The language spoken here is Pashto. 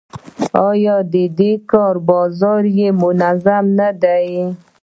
آیا د کار بازار یې منظم نه دی؟